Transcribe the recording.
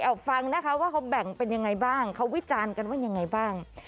เอาฟังนะคะว่าเขาแบ่งเป็นยังไงบ้างเขาวิจารณ์กันว่ายังไงบ้าง